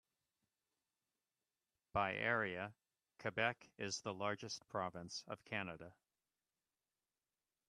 By area, Quebec is the largest province of Canada.